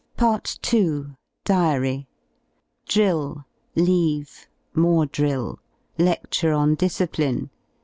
13 ^ PART TWO DIARY § Drill. § Leave. § More drill. § Ledture on discipline.